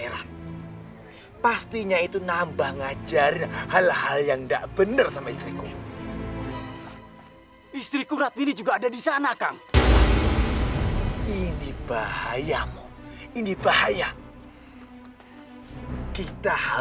sampai jumpa di video selanjutnya